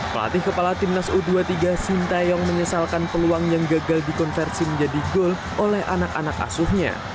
pelatih kepala timnas u dua puluh tiga sintayong menyesalkan peluang yang gagal dikonversi menjadi gol oleh anak anak asuhnya